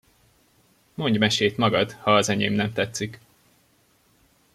Mondj mesét magad, ha az enyém nem tetszik!